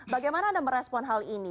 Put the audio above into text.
bagaimana anda merespon hal ini